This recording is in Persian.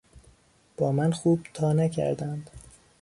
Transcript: با من خوب تا نکردند.